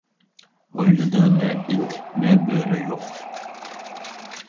ھويلىدا نە ئىت، نە بۆرە يوق.